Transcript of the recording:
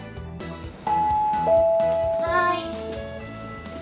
はい。